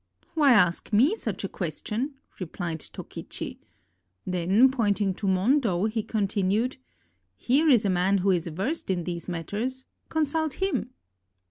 "Why ask me such a question?" replied Tokichi. Then, pointing to Mondo, he continued: "Here is a man who is versed in these matters; consult him."